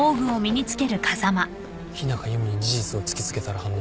日中弓に事実を突き付けたら反応が。